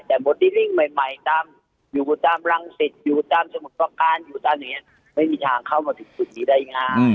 แต่โมเดลลิ่งใหม่อยู่ตามรังสิทธิ์อยู่ตามสมุทรศักดิ์การไม่มีทางเข้ามาถึงสุดนี้ได้ง่าย